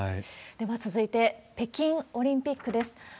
では続いて、北京オリンピックです。